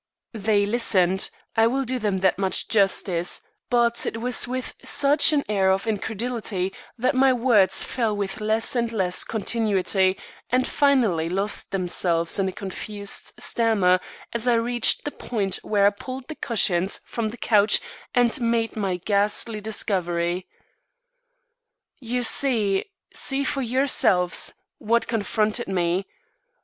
They listened I will do them that much justice; but it was with such an air of incredulity that my words fell with less and less continuity and finally lost themselves in a confused stammer as I reached the point where I pulled the cushions from the couch and made my ghastly discovery. "You see see for yourselves what confronted me.